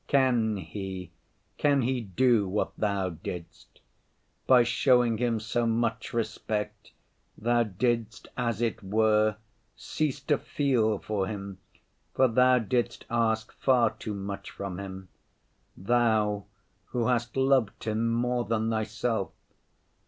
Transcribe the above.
Can he, can he do what Thou didst? By showing him so much respect, Thou didst, as it were, cease to feel for him, for Thou didst ask far too much from him—Thou who hast loved him more than Thyself!